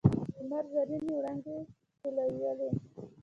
د لمر زرینې وړانګې ټولولې.